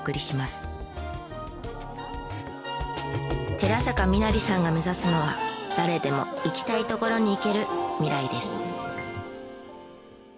寺坂実成さんが目指すのは「誰でも行きたい所に行ける」未来です。